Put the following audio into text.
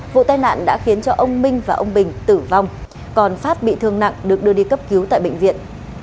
vụ tai nạn đã khiến cho ông minh và ông bình tử vong còn phát bị thương nặng được đưa đi cấp cứu tại bệnh viện